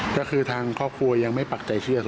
ก็คือทางครอบครัวยังไม่ปักใจเชื่อสมมุติ